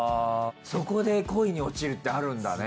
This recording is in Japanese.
そこで恋に落ちるってあるんだね。